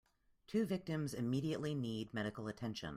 Two victims immediately need medical attention.